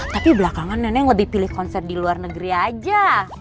tapi belakangan neneng lebih pilih konser di luar negeri aja